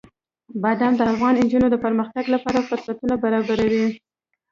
بادام د افغان نجونو د پرمختګ لپاره فرصتونه برابروي.